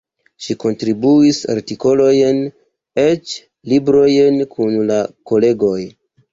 Ŝi kontribuis artikolojn, eĉ librojn kun la kolegoj.